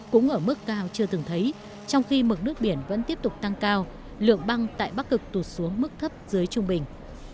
cũng ở mức cao chưa từng thấy trong khi mực nước biển vẫn tiếp tục tăng cao lượng băng tại bắc cực tụt xuống mức thấp dưới trung bình